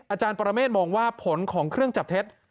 อาจารย์ปรเมฆมองว่าผลของเครื่องจับเท็จ